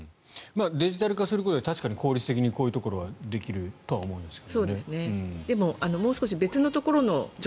デジタル化することで確かに効率的にこういうことはできるとは思うんですが。